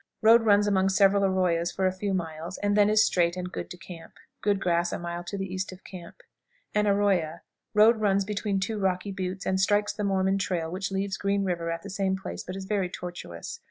Road runs among several arroyas for a few miles, and is then straight and good to camp. Good grass a mile to the east of camp. An Arroya. Road runs between two rocky buttes, and strikes the Mormon trail, which leaves Green River at the same place, but is very tortuous.